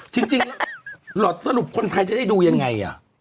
จริงหลอดสรุปคนไทยจะได้ดูยังไง